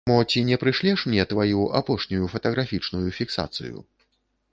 Мо ці не прышлеш мне тваю апошнюю фатаграфічную фіксацыю?